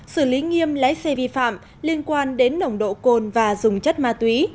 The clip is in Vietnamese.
xử lý nghiêm lái xe vi phạm liên quan đến nồng độ cồn và dùng chất ma túy